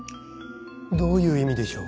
どういう意味でしょう？